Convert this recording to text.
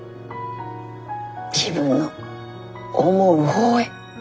自分の思う方へ。